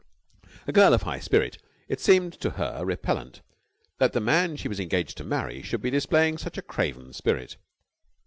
A girl of high spirit, it seemed to her repellent that the man she was engaged to marry should be displaying such a craven spirit.